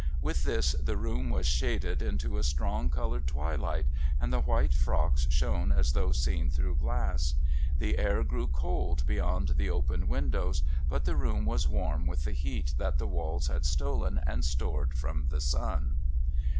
With this the room was shaded into a strong coloured twilight and the white frocks shone as though seen through glass. The air grew cold beyond the open windows, but the room was warm with the heat that the walls had stolen and stored from the sun.